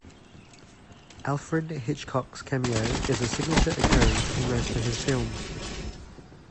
Alfred Hitchcock's cameo is a signature occurrence in most of his films.